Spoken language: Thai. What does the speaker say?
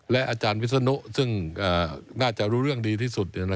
และอาจารย์วิศนุซึ่งน่าจะรู้เรื่องดีที่สุด